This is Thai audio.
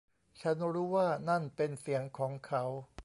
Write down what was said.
ฉันรู้ว่านั่นเป็นเสียงของเขา